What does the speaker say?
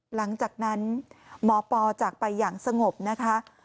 หลังจากนั้นหมอปอจากไปอย่างสงบนะคะ